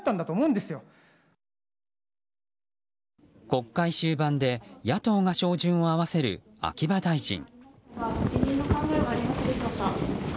国会終盤で野党が照準を合わせる秋葉大臣。